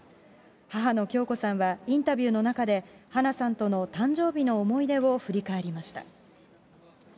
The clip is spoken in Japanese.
母の響子さんはインタビューの中で、花さんとの誕生日の思い出を振り返りました。